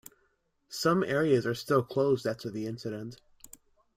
Some areas are still closed after the incident.